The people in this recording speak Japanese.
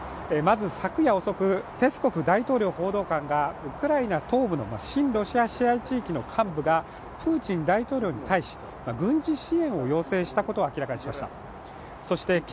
まず、昨夜遅く、ペスコフ大統領報道官がウクライナ東部の親ロシア派支配地域の幹部がプーチン大統領に対し軍事支援を要請したことを明らかにしました。